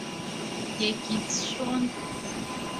Иагьицәшәон!